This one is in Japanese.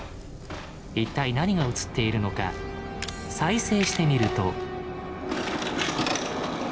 一体何が映っているのか再生してみると。